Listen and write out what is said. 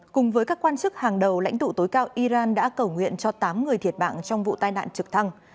cùng với các quan chức hàng đầu lãnh tụ tối cao iran đã cầu nguyện cho tám người thiệt mạng trong vụ tai nạn trực thăng